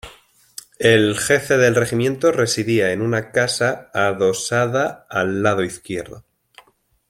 El Jefe del Regimiento residía en una casa adosada al lado izquierdo.